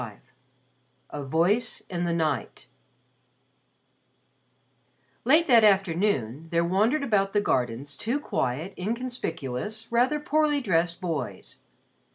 XXV A VOICE IN THE NIGHT Late that afternoon there wandered about the gardens two quiet, inconspicuous, rather poorly dressed boys.